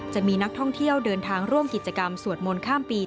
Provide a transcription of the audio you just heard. จะมีนักท่องเที่ยวเดินทางร่วมกิจกรรมสวดมนต์ข้ามปี